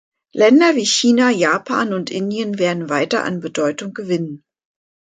Länder wie China, Japan und Indien werden weiter an Bedeutung gewinnen.